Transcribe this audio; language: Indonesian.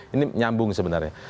ini nyambung sebenarnya